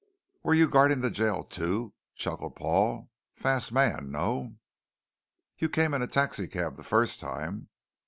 "Were you guarding the jail too?" chuckled Paul. "Fast man, no?" "You came in a taxicab the first time."